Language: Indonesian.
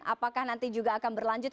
apakah nanti juga akan berlanjut